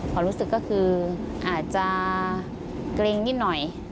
ความรู้สึกก็คืออาจจะเกร็งนิดหน่อย